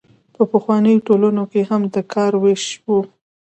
په پخوانیو ټولنو کې هم د کار ویش و.